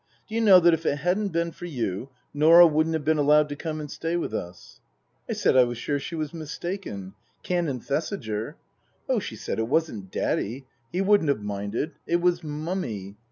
Do you know that if it hadn't been for you Norah wouldn't have been allowed to come and stay with us ?" I said I was sure she was mistaken. Canon Thesiger " Oh," she said, " it wasn't Daddy. He wouldn't have minded. It was Mummy.